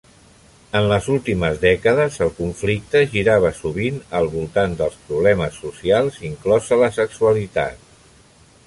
En les últimes dècades, el conflicte girava sovint al voltant dels problemes socials, inclosa la sexualitat.